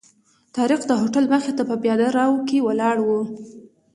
طارق د هوټل مخې ته په پیاده رو کې ولاړ و.